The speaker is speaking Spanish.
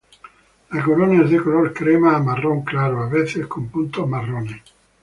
La corona es de color crema a marrón claro, a veces con puntos marrones.